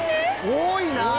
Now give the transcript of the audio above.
多いなあ！